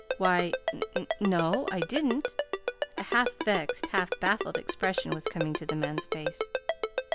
"Why, n no, I didn't." A half vexed, half baffled expression was coming to the man's face.